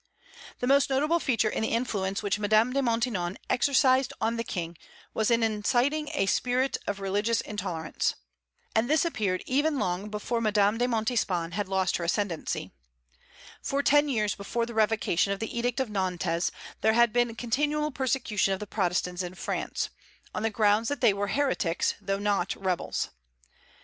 The most noticeable feature in the influence which Madame de Maintenon exercised on the King was in inciting a spirit of religious intolerance. And this appeared even long before Madame de Montespan had lost her ascendency. For ten years before the revocation of the Edict of Nantes there had been continual persecution of the Protestants in France, on the ground that they were heretics, though not rebels.